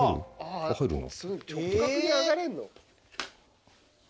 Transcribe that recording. すごい直角に上がれんの？